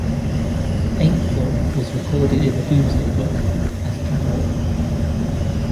Apethorpe was recorded in the Domesday Book as Patorp.